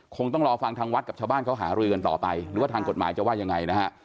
คงต้องรอฟังทางวัดกับชาวบ้านเขาหารือกันต่อไปหรือว่าทางกฎหมายจะว่ายังไงนะฮะ